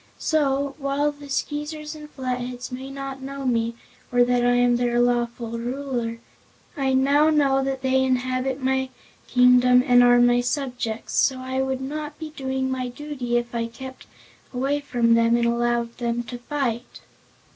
So, while the Skeezers and Flatheads may not know me or that I am their lawful Ruler, I now know that they inhabit my kingdom and are my subjects, so I would not be doing my duty if I kept away from them and allowed them to fight."